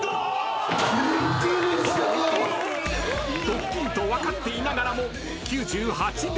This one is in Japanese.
［ドッキリと分かっていながらも］